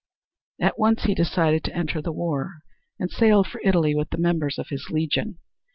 At once he decided to enter the war and sailed for Italy with the members of his legion.